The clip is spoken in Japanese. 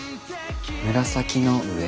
紫の上？